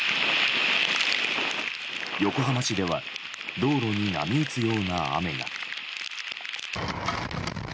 横浜市では道路に波打つような雨が。